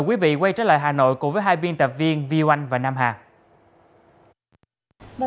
quý vị quay trở lại hà nội cùng với hai biên tập viên v một và nam hạ